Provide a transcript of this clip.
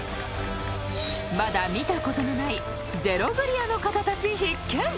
［まだ見たことのないゼログリアの方たち必見］